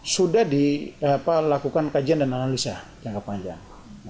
sudah dilakukan kajian dan analisa jangka panjang